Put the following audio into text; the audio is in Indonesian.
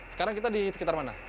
sekarang kita di sekitar mana